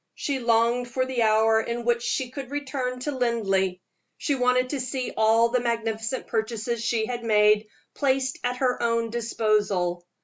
She longed for the hour in which she should return to Linleigh; she wanted to see all the magnificent purchases she had made placed at her own disposal.